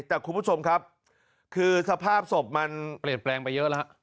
แต่คุณผู้ชมครับคือสภาพศพมันเปลี่ยนแปลงไปเยอะแล้ว